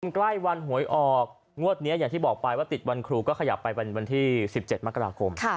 กล้ายวันหวยออกงวดเนี้ยอย่างที่บอกไปว่าติดวันครูก็ขยับไปวันที่สิบเจ็ดมะรากราคม